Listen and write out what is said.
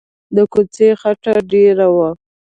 د کوڅې خټه ډېره وه.